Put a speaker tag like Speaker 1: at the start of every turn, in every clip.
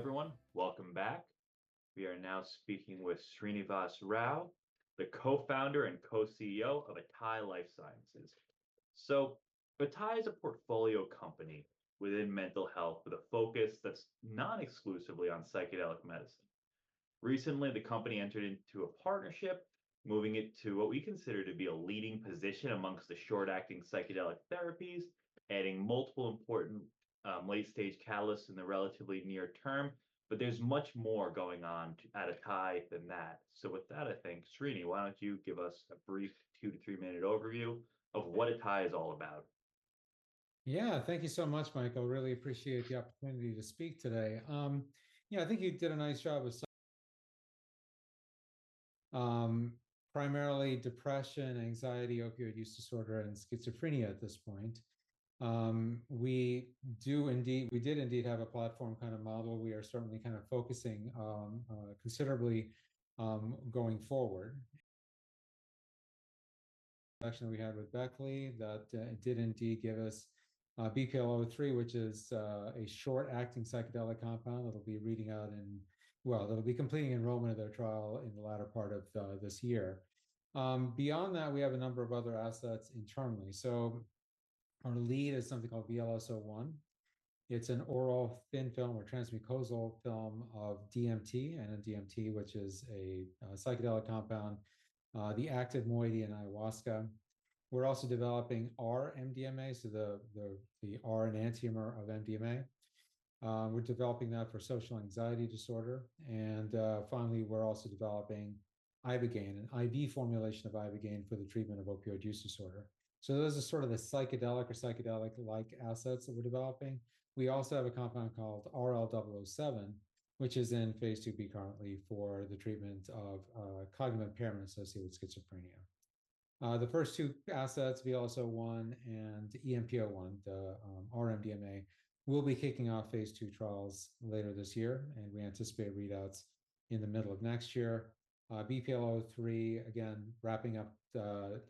Speaker 1: Hello, everyone. Welcome back. We are now speaking with Srinivas Rao, the co-founder and co-CEO of Atai Life Sciences. So Atai is a portfolio company within mental health, with a focus that's not exclusively on psychedelic medicine. Recently, the company entered into a partnership, moving it to what we consider to be a leading position amongst the short-acting psychedelic therapies, adding multiple important, late-stage catalysts in the relatively near term. But there's much more going on at Atai than that. So with that, I think, Srini, why don't you give us a brief two to three-minute overview of what Atai is all about?
Speaker 2: Yeah. Thank you so much, Michael. Really appreciate the opportunity to speak today. Yeah, I think you did a nice job with primarily depression, anxiety, opioid use disorder, and schizophrenia at this point. We did indeed have a platform kind of model. We are certainly kind of focusing considerably going forward. Actually, we have with Beckley that it did indeed give us BPL-003, which is a short-acting psychedelic compound that'll be reading out in well, they'll be completing enrollment of their trial in the latter part of this year. Beyond that, we have a number of other assets internally. So our lead is something called VLS-01. It's an oral thin film or transmucosal film of DMT, N,N-DMT, which is a psychedelic compound, the active moiety in ayahuasca. We're also developing R-MDMA, so the R enantiomer of MDMA. We're developing that for social anxiety disorder, and finally, we're also developing ibogaine, an IV formulation of ibogaine for the treatment of opioid use disorder, so those are sort of the psychedelic or psychedelic-like assets that we're developing. We also have a compound called RL-007, which is in phase IIb currently for the treatment of cognitive impairment associated with schizophrenia. The first two assets, VLS-01 and EMP-01, the R-MDMA, will be kicking off phase II trials later this year, and we anticipate readouts in the middle of next year. BPL-003, again, wrapping up the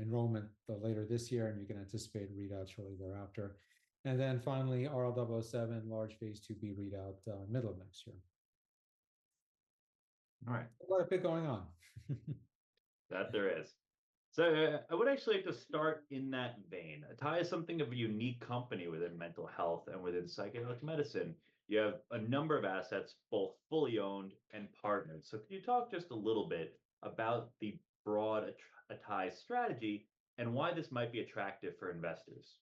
Speaker 2: enrollment later this year, and you can anticipate readout shortly thereafter, and then finally, RL-007, large phase IIb readout, middle of next year. All right. A lot of bit going on. That there is. So, I would actually like to start in that vein. Atai is something of a unique company within mental health and within psychedelic medicine. You have a number of assets, both fully owned and partnered. So can you talk just a little bit about the broad Atai strategy and why this might be attractive for investors?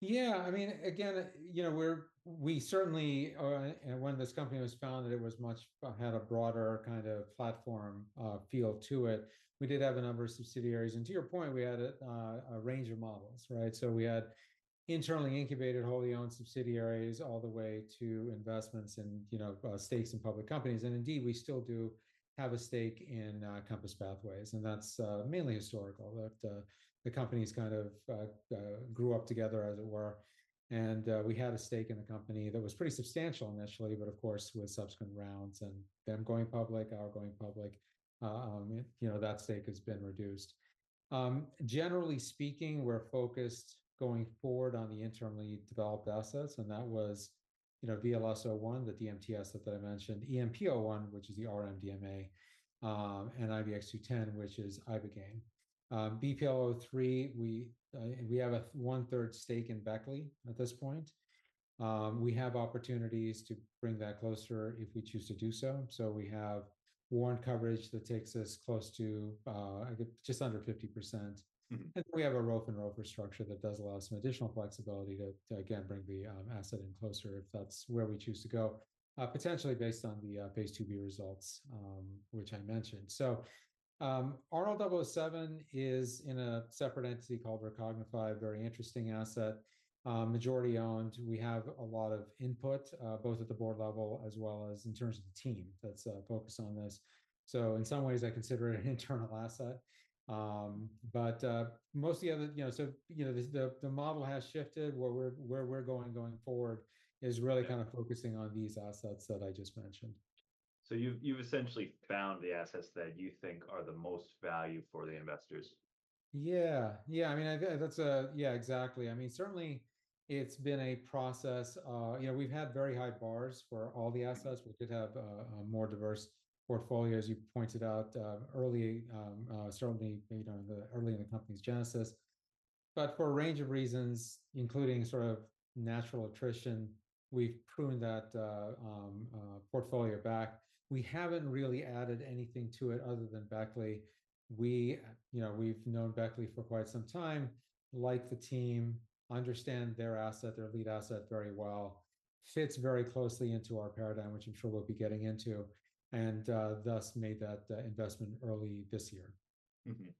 Speaker 2: Yeah, I mean, again, you know, we certainly, and when this company was founded, it was much had a broader kind of platform feel to it. We did have a number of subsidiaries, and to your point, we had a range of models, right? So we had internally incubated, wholly owned subsidiaries, all the way to investments in, you know, stakes in public companies. And indeed, we still do have a stake in Compass Pathways, and that's mainly historical, that the companies kind of grew up together, as it were. And we had a stake in the company that was pretty substantial initially, but of course, with subsequent rounds and them going public, our going public, you know, that stake has been reduced. Generally speaking, we're focused going forward on the internally developed assets, and that was, you know, VLS-01, the DMT asset that I mentioned, EMP-01, which is the R-MDMA, and DMX-1002, which is ibogaine. BPL-003, we, we have a one-third stake in Beckley at this point. We have opportunities to bring that closer if we choose to do so. So we have warrant coverage that takes us close to, I think just under 50%. Mm-hmm. And we have a ROFR structure that does allow some additional flexibility to again bring the asset in closer if that's where we choose to go, potentially based on the phase IIb results, which I mentioned. So RL-007 is in a separate entity called Recognify, a very interesting asset. Majority-owned. We have a lot of input both at the board level as well as in terms of the team that's focused on this. So in some ways, I consider it an internal asset. But most of the other, you know, so you know, the model has shifted. Where we're going forward is really kind of focusing on these assets that I just mentioned. So you've essentially found the assets that you think are the most value for the investors? Yeah. Yeah, I mean, I-- that's a... Yeah, exactly. I mean, certainly, it's been a process. You know, we've had very high bars for all the assets. We did have a more diverse portfolio, as you pointed out, early in the company's genesis. But for a range of reasons, including sort of natural attrition, we've pruned that portfolio back. We haven't really added anything to it other than Beckley. You know, we've known Beckley for quite some time, like the team, understand their asset, their lead asset very well, fits very closely into our paradigm, which I'm sure we'll be getting into, and thus made that investment early this year. Mm-hmm.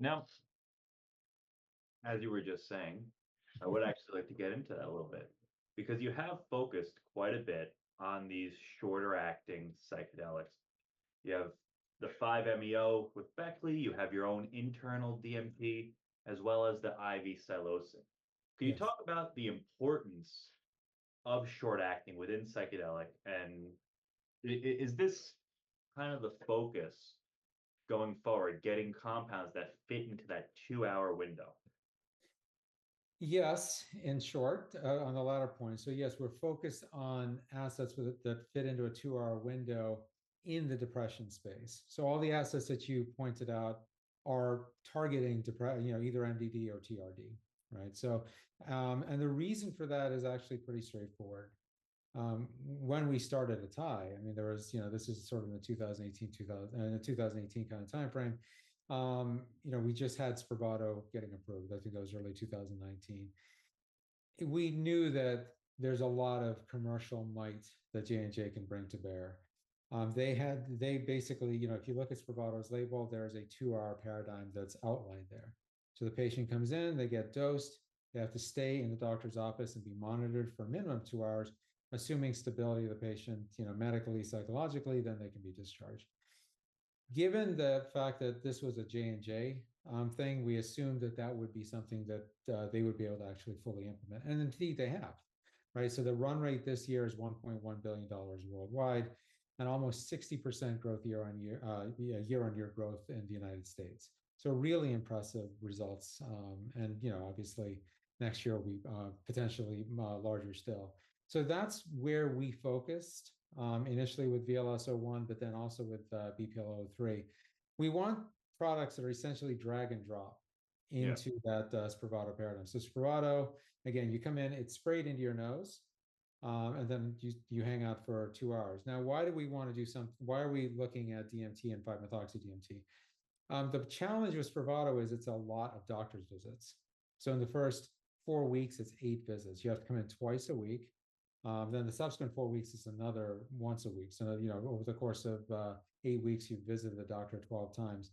Speaker 2: Now, as you were just saying, I would actually like to get into that a little bit because you have focused quite a bit on these shorter-acting psychedelics. You have the 5-MeO with Beckley, you have your own internal DMT, as well as the IV psilocin. Yes. Can you talk about the importance of short acting within psychedelic, and is this kind of the focus? Going forward, getting compounds that fit into that two-hour window? Yes, in short, on the latter point. So yes, we're focused on assets that fit into a two-hour window in the depression space. So all the assets that you pointed out are targeting you know, either MDD or TRD, right? So, and the reason for that is actually pretty straightforward. When we started Atai, I mean, there was, you know, this is sort of in the two thousand and eighteen kind of timeframe. You know, we just had Spravato getting approved. I think that was early two thousand and nineteen. We knew that there's a lot of commercial might that J&J can bring to bear. They basically, you know, if you look at Spravato's label, there is a two-hour paradigm that's outlined there. So the patient comes in, they get dosed, they have to stay in the doctor's office and be monitored for a minimum of two hours, assuming stability of the patient, you know, medically, psychologically, then they can be discharged. Given the fact that this was a J&J thing, we assumed that that would be something that they would be able to actually fully implement, and indeed they have, right? So the run rate this year is $1.1 billion worldwide, and almost 60% growth year-on-year in the United States. So really impressive results, and, you know, obviously, next year will be potentially larger still. So that's where we focused initially with VLS-01, but then also with BPL-003. We want products that are essentially drag and drop- Yeah into that, Spravato paradigm. So Spravato, again, you come in, it's sprayed into your nose, and then you hang out for two hours. Now, why are we looking at DMT and 5-methoxy-DMT? The challenge with Spravato is it's a lot of doctor's visits. So in the first four weeks, it's eight visits. You have to come in twice a week, then the subsequent four weeks, it's another once a week. So, you know, over the course of eight weeks, you've visited the doctor 12 times.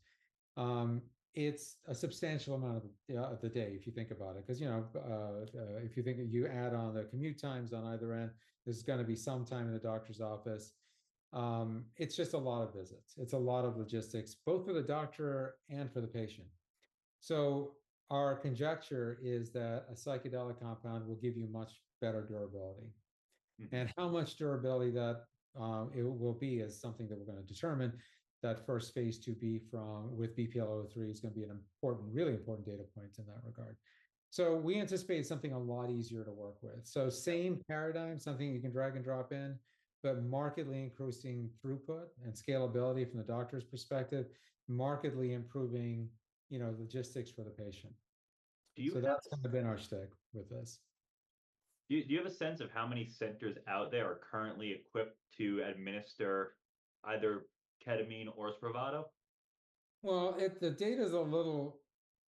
Speaker 2: It's a substantial amount of the day, if you think about it, 'cause, you know, you add on the commute times on either end, there's gonna be some time in the doctor's office. It's just a lot of visits. It's a lot of logistics, both for the doctor and for the patient. So our conjecture is that a psychedelic compound will give you much better durability. Mm-hmm. How much durability that it will be is something that we're gonna determine. That first phase 2b from with BPL-003 is gonna be an important, really important data point in that regard. We anticipate something a lot easier to work with. Same paradigm, something you can drag and drop in, but markedly increasing throughput and scalability from the doctor's perspective, markedly improving, you know, logistics for the patient. Do you- So that's kind of been our stick with this. Do you have a sense of how many centers out there are currently equipped to administer either ketamine or Spravato? The data is a little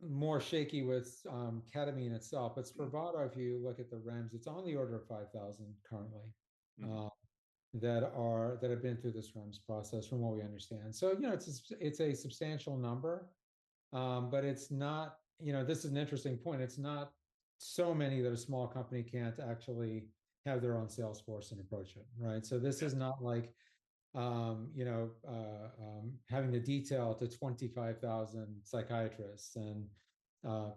Speaker 2: more shaky with ketamine itself, but Spravato, if you look at the REMS, it's on the order of five thousand currently. Mm... that are, that have been through this REMS process from what we understand. So, you know, it's a substantial number, but it's not... You know, this is an interesting point. It's not so many that a small company can't actually have their own sales force and approach it, right? Yeah. So this is not like, you know, having to detail to twenty-five thousand psychiatrists and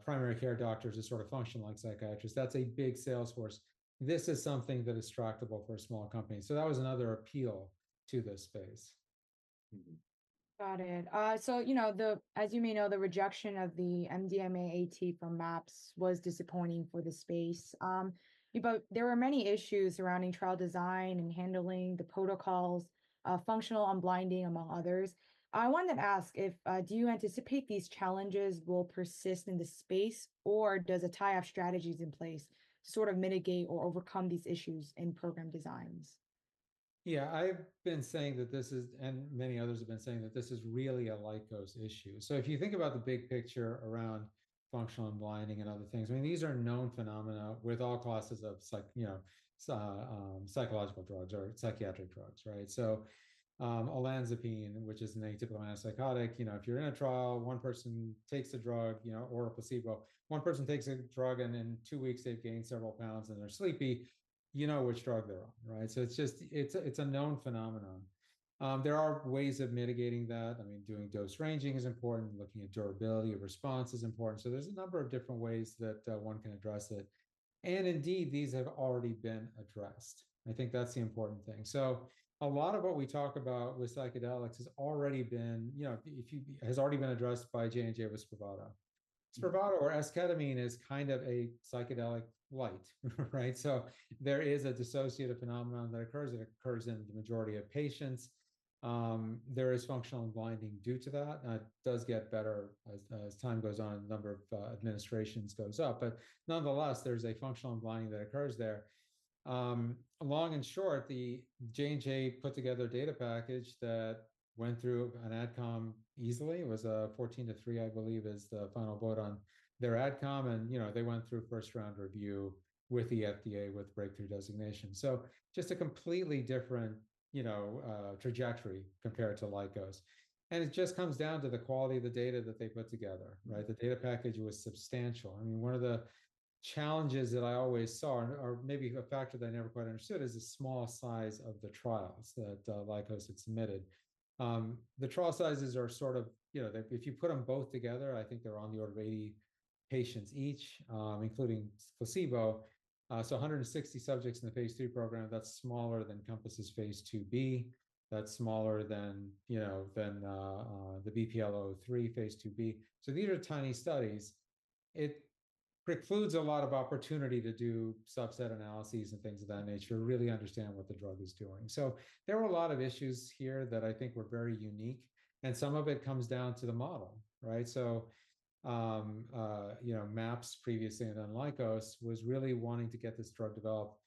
Speaker 2: primary care doctors who sort of function like psychiatrists. That's a big sales force. This is something that is tractable for a small company. So that was another appeal to this space. Mm-hmm.
Speaker 1: Got it, so you know, as you may know, the rejection of the MDMA-AT from MAPS was disappointing for the space, but there were many issues surrounding trial design and handling the protocols, functional unblinding, among others. I wanted to ask if do you anticipate these challenges will persist in this space, or does Atai have strategies in place to sort of mitigate or overcome these issues in program designs?
Speaker 2: Yeah, I've been saying that this is, and many others have been saying, that this is really a Lykos issue. So if you think about the big picture around functional unblinding and other things, I mean, these are known phenomena with all classes of psych, you know, psychological drugs or psychiatric drugs, right? So, olanzapine, which is a typical antipsychotic, you know, if you're in a trial, one person takes a drug, you know, or a placebo. One person takes a drug, and in two weeks, they've gained several pounds and they're sleepy. You know which drug they're on, right? So it's just, it's a known phenomenon. There are ways of mitigating that. I mean, doing dose ranging is important, looking at durability of response is important. So there's a number of different ways that one can address it, and indeed, these have already been addressed. I think that's the important thing. So a lot of what we talk about with psychedelics has already been, you know, addressed by J&J with Spravato. Spravato or esketamine is kind of a psychedelic light, right? So there is a dissociative phenomenon that occurs, and it occurs in the majority of patients. There is functional unblinding due to that, and it does get better as time goes on, and the number of administrations goes up. But nonetheless, there's a functional unblinding that occurs there. Long and short, the J&J put together a data package that went through an AdCom easily. It was fourteen to three, I believe, is the final vote on their AdCom, and, you know, they went through first-round review with the FDA with breakthrough designation, so just a completely different, you know, trajectory compared to Lykos, and it just comes down to the quality of the data that they put together, right? The data package was substantial. I mean, one of the challenges that I always saw, and, or maybe a factor that I never quite understood, is the small size of the trials that Lykos submitted. The trial sizes are sort of, you know, they if you put them both together, I think they're on the order of maybe patients each, including placebo, so a hundred and sixty subjects in the phase two program, that's smaller than Compass' Phase 2b. That's smaller than, you know, than the BPL-003 phase 2b. So these are tiny studies. It precludes a lot of opportunity to do subset analyses and things of that nature, really understand what the drug is doing. So there were a lot of issues here that I think were very unique, and some of it comes down to the model, right? So you know, MAPS previously and then Lykos was really wanting to get this drug developed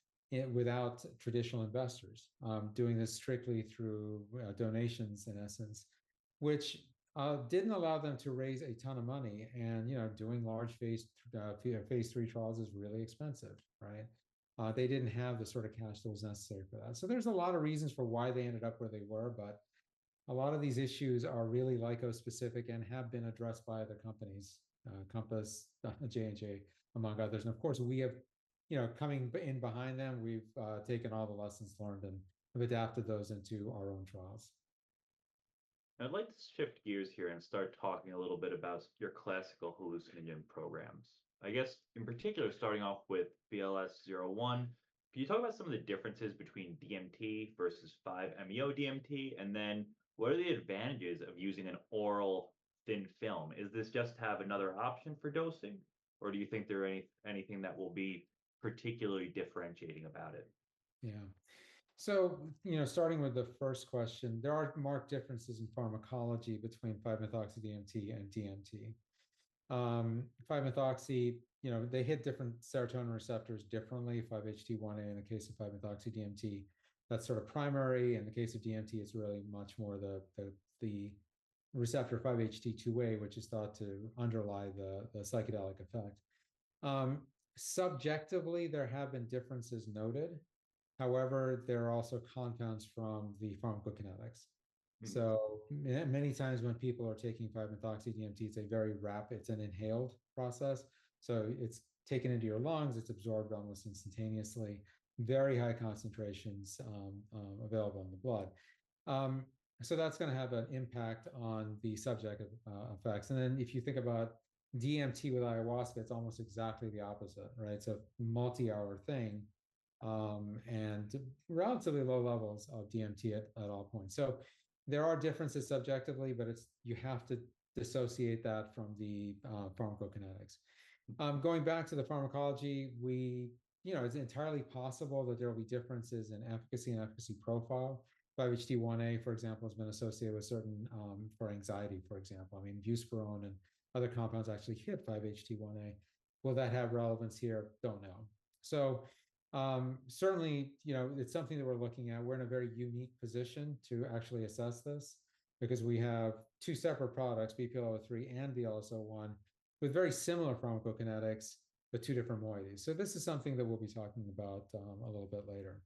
Speaker 2: without traditional investors doing this strictly through donations, in essence, which didn't allow them to raise a ton of money. And you know, doing large phase 3 trials is really expensive, right? They didn't have the sort of cash that was necessary for that. So there's a lot of reasons for why they ended up where they were, but a lot of these issues are really Lykos specific and have been addressed by other companies, Compass, J&J, among others. And of course, we have, you know, coming in behind them, we've taken all the lessons learned and we've adapted those into our own trials. I'd like to shift gears here and start talking a little bit about your classical hallucinogen programs. I guess, in particular, starting off with VLS-01, can you talk about some of the differences between DMT versus 5-MeO-DMT? And then what are the advantages of using an oral thin film? Is this just to have another option for dosing, or do you think there are any that will be particularly differentiating about it? Yeah. So, you know, starting with the first question, there are marked differences in pharmacology between 5-methoxy-DMT and DMT. 5-Methoxy, you know, they hit different serotonin receptors differently. 5-HT1A, in the case of 5-methoxy-DMT, that's sort of primary. In the case of DMT, it's really much more the receptor 5-HT2A, which is thought to underlie the psychedelic effect. Subjectively, there have been differences noted. However, there are also compounds from the pharmacokinetics. Mm-hmm. So many times when people are taking 5-MeO-DMT, it's a very rapid, it's an inhaled process, so it's taken into your lungs, it's absorbed almost instantaneously, very high concentrations available in the blood. So that's going to have an impact on the subjective effects. And then if you think about DMT with Ayahuasca, it's almost exactly the opposite, right? It's a multi-hour thing, and relatively low levels of DMT at all points. So there are differences subjectively, but it's you have to dissociate that from the pharmacokinetics. Going back to the pharmacology, you know, it's entirely possible that there will be differences in efficacy and efficacy profile. 5-HT1A, for example, has been associated with certain for anxiety, for example. I mean, buspirone and other compounds actually hit 5-HT1A. Will that have relevance here? Don't know. So, certainly, you know, it's something that we're looking at. We're in a very unique position to actually assess this because we have two separate products, BPL-003 and VLS-01, with very similar pharmacokinetics, but two different moieties. So this is something that we'll be talking about a little bit later.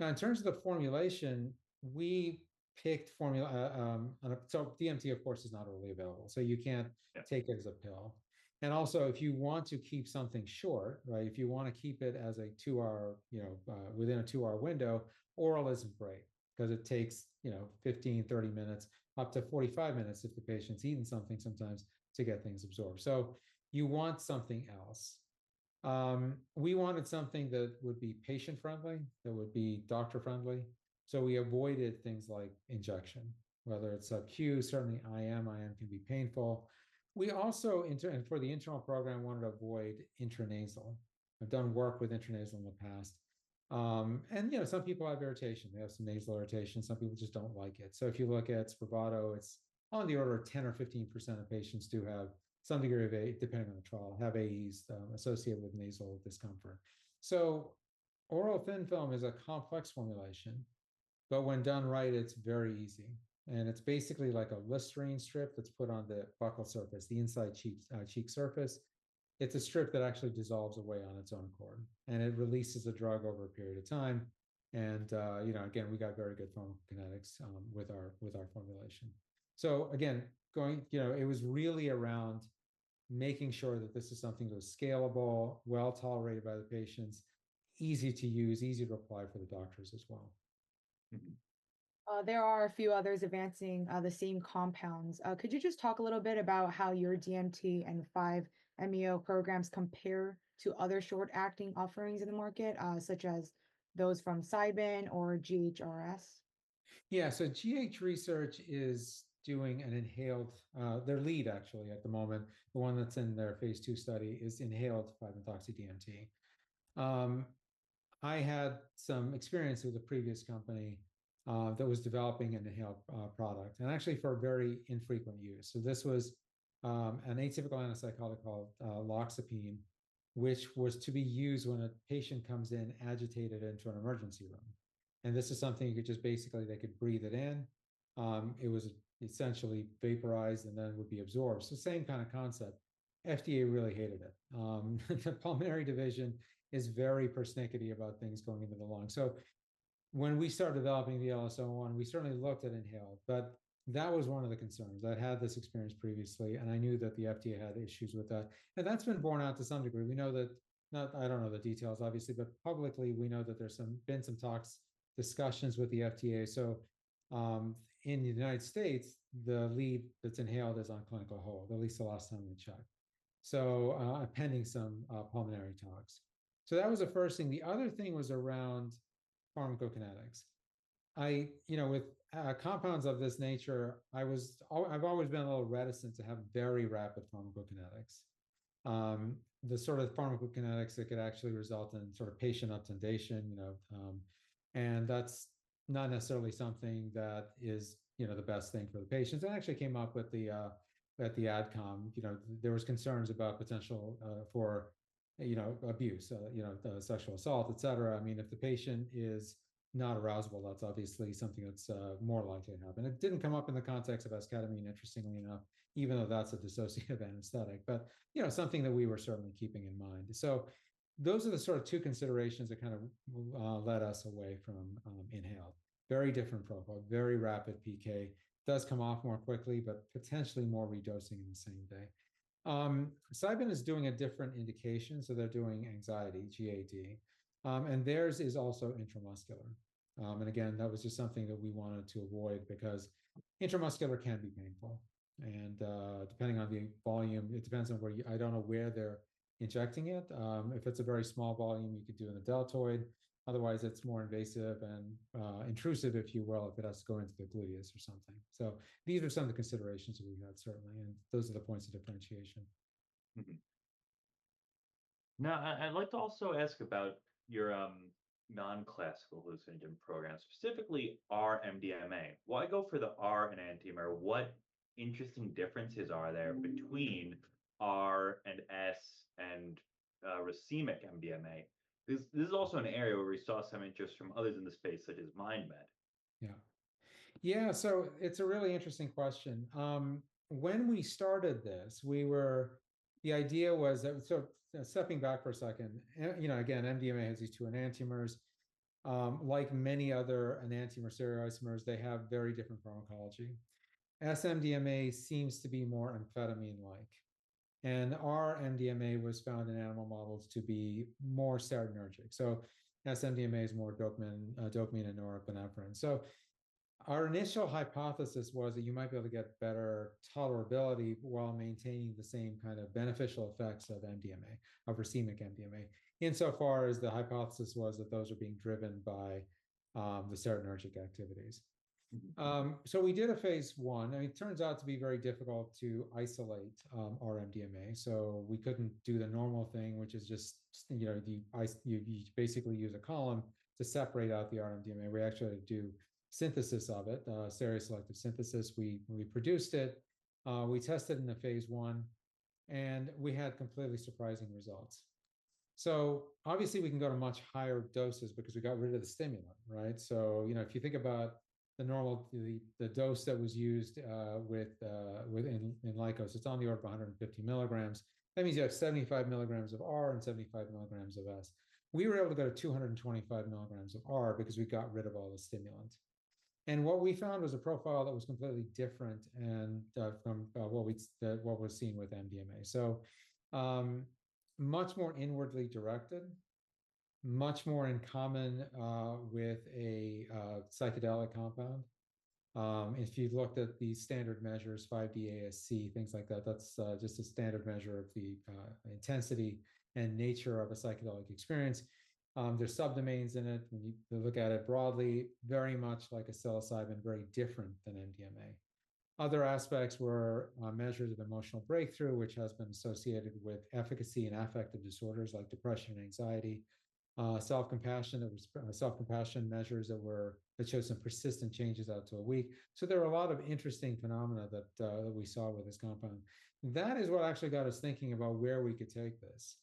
Speaker 2: Now, in terms of the formulation, we picked formulation. So DMT, of course, is not readily available, so you can't- Yeah... take it as a pill. And also, if you want to keep something short, right, if you want to keep it as a two-hour, you know, within a two-hour window, oral isn't great because it takes, you know, fifteen, thirty minutes, up to forty-five minutes if the patient's eaten something sometimes to get things absorbed. So you want something else. We wanted something that would be patient-friendly, that would be doctor-friendly, so we avoided things like injection, whether it's subcutaneous, certainly IM, IM can be painful. We also, for the internal program, wanted to avoid intranasal. I've done work with intranasal in the past. And, you know, some people have irritation. They have some nasal irritation, some people just don't like it. So if you look at Spravato, it's on the order of 10% or 15% of patients do have some degree of AEs, depending on the trial, associated with nasal discomfort. Oral thin film is a complex formulation, but when done right, it's very easy, and it's basically like a Listerine strip that's put on the buccal surface, the inside cheek, cheek surface. It's a strip that actually dissolves away on its own accord, and it releases the drug over a period of time. And, you know, again, we got very good pharmacokinetics with our formulation. Again, you know, it was really around making sure that this is something that was scalable, well-tolerated by the patients, easy to use, easy to apply for the doctors as well. Mm-hmm.
Speaker 1: There are a few others advancing the same compounds. Could you just talk a little bit about how your DMT and 5-MeO programs compare to other short-acting offerings in the market, such as those from Cybin or GH Research?
Speaker 2: Yeah. So GH Research is doing an inhaled, their lead, actually, at the moment, the one that's in their phase 2 study, is inhaled 5-methoxy-DMT. I had some experience with a previous company, that was developing an inhaled, product, and actually for very infrequent use. So this was, an atypical antipsychotic called, loxapine, which was to be used when a patient comes in agitated into an emergency room. And this is something you could just basically, they could breathe it in. It was essentially vaporized and then it would be absorbed. So same kind of concept. FDA really hated it. The pulmonary division is very persnickety about things going into the lung. So when we started developing the LSD one, we certainly looked at inhaled, but that was one of the concerns. I'd had this experience previously, and I knew that the FDA had issues with that. And that's been borne out to some degree. We know that. I don't know the details, obviously, but publicly, we know that there's been some talks, discussions with the FDA. So, in the United States, the lead that's inhaled is on clinical hold, at least the last time we checked. So, pending some pulmonary talks. So that was the first thing. The other thing was around pharmacokinetics. I, you know, with compounds of this nature, I've always been a little reticent to have very rapid pharmacokinetics. The sort of pharmacokinetics that could actually result in sort of patient obtundation, you know, and that's not necessarily something that is, you know, the best thing for the patients. It actually came up with the, at the AdCom, you know, there was concerns about potential, for, you know, abuse, you know, sexual assault, et cetera. I mean, if the patient is not arousable, that's obviously something that's, more likely to happen. It didn't come up in the context of esketamine, interestingly enough, even though that's a dissociative anesthetic, but, you know, something that we were certainly keeping in mind. So those are the sort of two considerations that kind of, led us away from, inhale. Very different profile, very rapid PK, does come off more quickly, but potentially more redosing in the same day. Cybin is doing a different indication, so they're doing anxiety, GAD, and theirs is also intramuscular. And again, that was just something that we wanted to avoid because intramuscular can be painful, and, depending on the volume, it depends on where you-- I don't know where they're injecting it. If it's a very small volume, you could do in the deltoid. Otherwise, it's more invasive and, intrusive, if you will, if it has to go into the gluteus or something. So these are some of the considerations we had, certainly, and those are the points of differentiation. Mm-hmm. Now, I'd like to also ask about your non-classical hallucinogen program, specifically R-MDMA. Why go for the R enantiomer? What interesting differences are there between R and S and racemic MDMA? This is also an area where we saw some interest from others in the space that is MindMed. Yeah. Yeah, so it's a really interesting question. When we started this, we were... The idea was that-- So stepping back for a second, you know, again, MDMA has these two enantiomers. Like many other enantiomer stereoisomers, they have very different pharmacology. S-MDMA seems to be more amphetamine-like, and R-MDMA was found in animal models to be more serotonergic. So S-MDMA is more dopamine, dopamine and norepinephrine. So our initial hypothesis was that you might be able to get better tolerability while maintaining the same kind of beneficial effects of MDMA, of racemic MDMA, insofar as the hypothesis was that those are being driven by the serotonergic activities. So we did a phase one, and it turns out to be very difficult to isolate R-MDMA, so we couldn't do the normal thing, which is just, you know, basically use a column to separate out the R-MDMA. We actually had to do synthesis of it, stereoselective synthesis. We produced it, we tested in the phase one, and we had completely surprising results. So obviously, we can go to much higher doses because we got rid of the stimulant, right? So, you know, if you think about the normal, the dose that was used in Lykos, it's on the order of 150 milligrams. That means you have 75 milligrams of R and 75 milligrams of S. We were able to go to two hundred and twenty-five milligrams of R because we got rid of all the stimulants. What we found was a profile that was completely different and from what was seen with MDMA. So much more inwardly directed, much more in common with a psychedelic compound. If you've looked at the standard measures, 5D-ASC, things like that, that's just a standard measure of the intensity and nature of a psychedelic experience. There's subdomains in it. When you look at it broadly, very much like a psilocybin, very different than MDMA. Other aspects were measures of emotional breakthrough, which has been associated with efficacy and affective disorders like depression, anxiety, self-compassion measures that showed some persistent changes out to a week. So there are a lot of interesting phenomena that we saw with this compound. That is what actually got us thinking about where we could take this.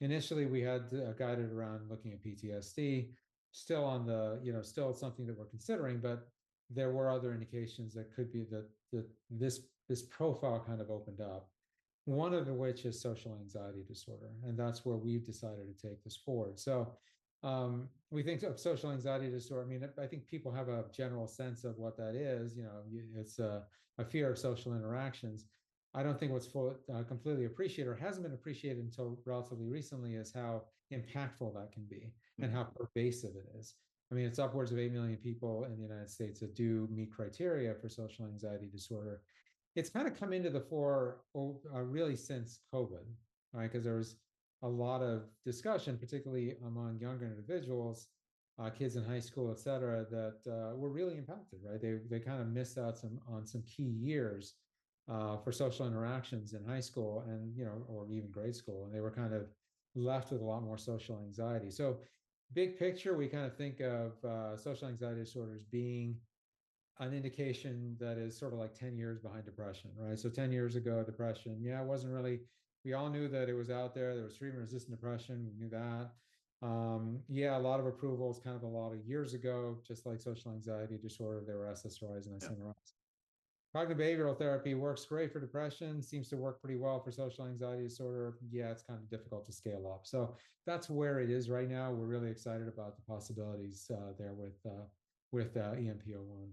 Speaker 2: Initially, we had guidance around looking at PTSD, still on the you know still something that we're considering, but there were other indications that this profile kind of opened up, one of which is social anxiety disorder, and that's where we've decided to take this forward. So we think of social anxiety disorder, I mean, I think people have a general sense of what that is. You know, it's a fear of social interactions. I don't think what's fully appreciated or hasn't been appreciated until relatively recently is how impactful that can be. Mm-hmm. And how pervasive it is. I mean, it's upwards of eight million people in the United States that do meet criteria for social anxiety disorder. It's kind of come into the fore really since COVID, right? 'Cause there was a lot of discussion, particularly among younger individuals, kids in high school, et cetera, that were really impacted, right? They kind of missed out on some key years for social interactions in high school and, you know, or even grade school, and they were kind of left with a lot more social anxiety. So big picture, we kinda think of social anxiety disorder as being an indication that is sort of like 10 years behind depression, right? So 10 years ago, depression, yeah, it wasn't really... We all knew that it was out there. There was treatment-resistant depression, we knew that. Yeah, a lot of approvals, kind of a lot of years ago, just like social anxiety disorder, there were SSRIs and SNRIs. Yeah. Cognitive behavioral therapy works great for depression, seems to work pretty well for social anxiety disorder. Yeah, it's kind of difficult to scale up. So that's where it is right now. We're really excited about the possibilities there with EMP-01. ...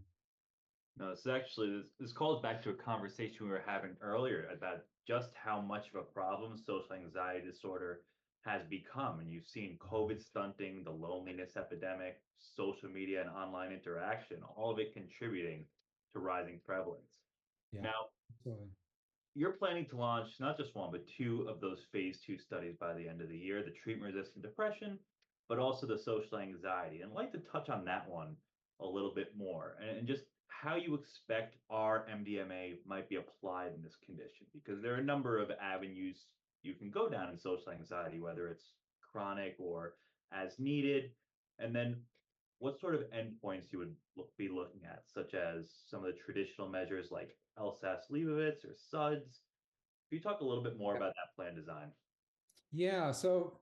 Speaker 2: No, this is actually, this calls back to a conversation we were having earlier about just how much of a problem social anxiety disorder has become, and you've seen COVID stunting, the loneliness epidemic, social media, and online interaction, all of it contributing to rising prevalence. Yeah. Now, you're planning to launch not just one, but two of those phase two studies by the end of the year, the treatment-resistant depression, but also the social anxiety. I'd like to touch on that one a little bit more, and just how you expect our MDMA might be applied in this condition. Because there are a number of avenues you can go down in social anxiety, whether it's chronic or as needed, and then what sort of endpoints you would be looking at, such as some of the traditional measures like LSAS-Liebowitz or SUDS. Can you talk a little bit more about that plan design? Yeah. So,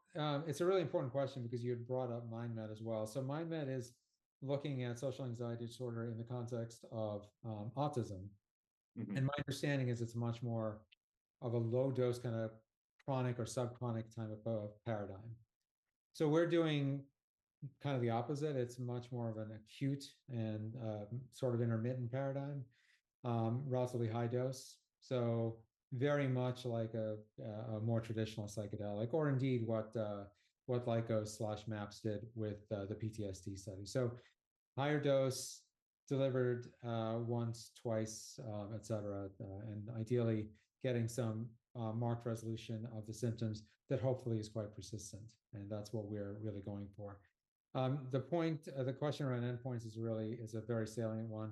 Speaker 2: it's a really important question because you had brought up MindMed as well. So MindMed is looking at social anxiety disorder in the context of autism. Mm-hmm. And my understanding is it's much more of a low dose, kind of chronic or subchronic type of paradigm. So we're doing kind of the opposite. It's much more of an acute and sort of intermittent paradigm. Relatively high dose, so very much like a more traditional psychedelic, or indeed, what Lykos/MAPS did with the PTSD study. So higher dose delivered once, twice, et cetera, and ideally getting some marked resolution of the symptoms that hopefully is quite persistent, and that's what we're really going for. The point, the question around endpoints is really a very salient one.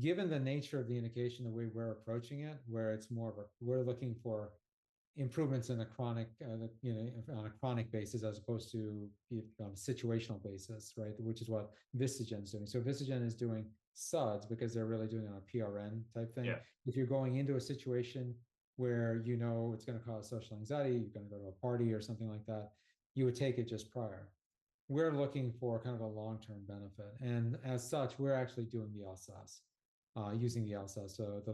Speaker 2: Given the nature of the indication, the way we're approaching it, where it's more of a, we're looking for improvements in a chronic, you know, on a chronic basis as opposed to a situational basis, right? Which is what Vistagen is doing. So Vistagen is doing SUDS because they're really doing it on a PRN type thing. Yeah. If you're going into a situation where you know it's gonna cause social anxiety, you're gonna go to a party or something like that, you would take it just prior. We're looking for kind of a long-term benefit, and as such, we're actually doing the LSAS, using the LSAS, so the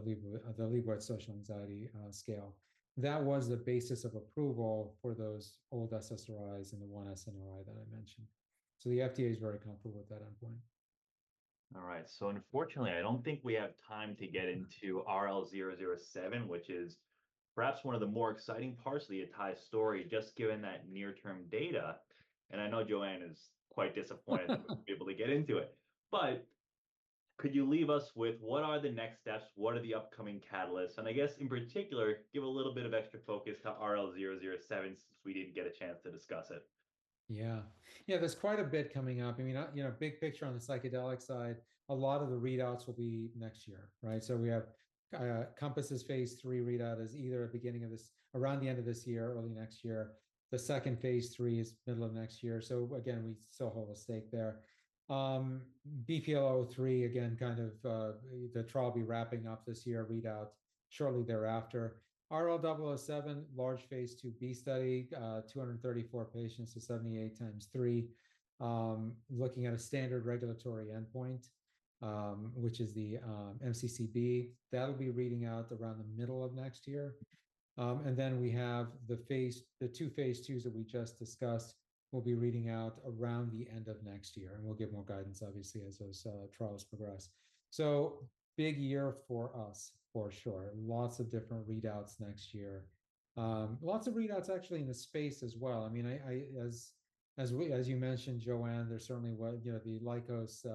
Speaker 2: Liebowitz Social Anxiety Scale. That was the basis of approval for those old SSRIs and the one SNRI that I mentioned. So the FDA is very comfortable with that endpoint. All right. So unfortunately, I don't think we have time to get into RL-007, which is perhaps one of the more exciting parts of Atai's story, just given that near-term data, and I know Joanne is quite disappointed. We won't be able to get into it. But could you leave us with what are the next steps? What are the upcoming catalysts? And I guess, in particular, give a little bit of extra focus to RL-007, since we didn't get a chance to discuss it. Yeah. Yeah, there's quite a bit coming up. I mean, you know, big picture on the psychedelic side, a lot of the readouts will be next year, right? So we have, Compass' phase 3 readout is either at the beginning of this year or around the end of this year or early next year. The second phase 3 is middle of next year. So again, we still hold a stake there. BPL-003, again, kind of, the trial will be wrapping up this year, readout shortly thereafter. RL-007, large phase 2b study, two hundred and thirty-four patients, so seventy-eight times three, looking at a standard regulatory endpoint, which is the, MCCB. That'll be reading out around the middle of next year. And then we have the two phase twos that we just discussed will be reading out around the end of next year, and we'll give more guidance, obviously, as those trials progress. So big year for us, for sure. Lots of different readouts next year. Lots of readouts actually in the space as well. I mean, as you mentioned, Joanne, there certainly were, you know, the Lykos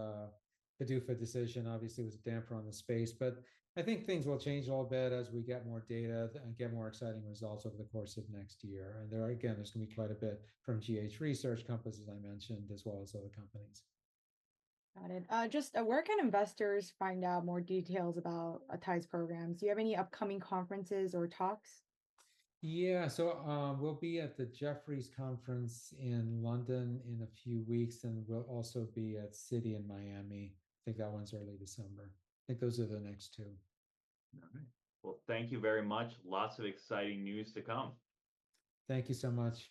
Speaker 2: PDUFA decision obviously was a damper on the space, but I think things will change a little bit as we get more data and get more exciting results over the course of next year. And there are, again, there's gonna be quite a bit from GH Research, Compass, as I mentioned, as well as other companies.
Speaker 1: Got it. Just where can investors find out more details about Atai's programs? Do you have any upcoming conferences or talks?
Speaker 2: Yeah. So, we'll be at the Jefferies Conference in London in a few weeks, and we'll also be at Citi in Miami. I think that one's early December. I think those are the next two. All right. Well, thank you very much. Lots of exciting news to come. Thank you so much.